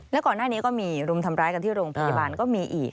แล้วก่อนหน้านี้ก็มีรุมทำร้ายกันที่โรงพยาบาลก็มีอีก